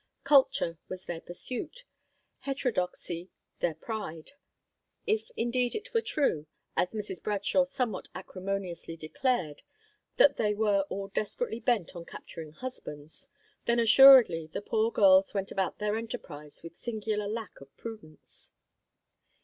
Culture was their pursuit, heterodoxy their pride. If indeed it were true, as Mrs. Bradshaw somewhat acrimoniously declared, that they were all desperately bent on capturing husbands, then assuredly the poor girls went about their enterprise with singular lack of prudence.